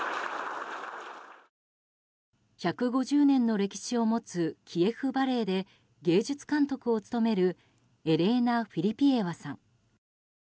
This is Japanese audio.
１５０年の歴史を持つキエフ・バレエで芸術監督を務めるエレーナ・フィリピエワさん。